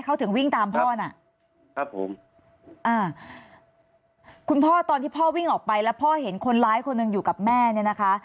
เขาถึงวิ่งตามพ่อน่ะครับผมอ่าคุณพ่อตอนที่พ่อวิ่งออกไปแล้วพ่อเห็นคนร้ายคนหนึ่งอยู่กับแม่เนี่ยนะคะ